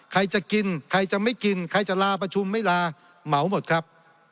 ใครจะกินใครจะไม่กินใครจะลาประชุมไม่ลาเหมาหมดครับ